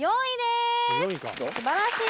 すばらしい！